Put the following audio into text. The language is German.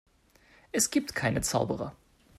Es gibt keine Zauberer.